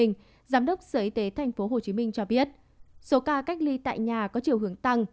giám đốc sở y tế tp hcm cho biết số ca cách ly tại nhà có chiều hướng tăng